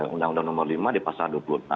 undang undang nomor lima di pasal dua puluh enam